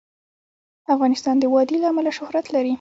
افغانستان د وادي له امله شهرت لري.